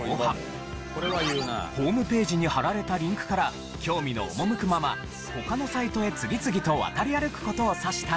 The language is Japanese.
ホームページに貼られたリンクから興味の赴くまま他のサイトへ次々と渡り歩く事を指した言葉。